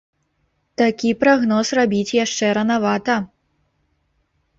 Такі прагноз рабіць яшчэ ранавата.